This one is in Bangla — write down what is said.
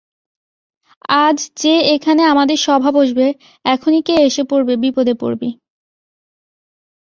আজ যে এখানে আমাদের সভা বসবে– এখনই কে এসে পড়বে, বিপদে পড়বি।